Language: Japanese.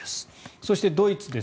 そして、ドイツです。